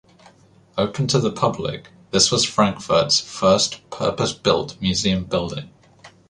Open to the public, this was Frankfurt's first purpose-built museum building.